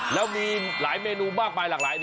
แล้วมีหลายเมนูมากมายหลากหลาย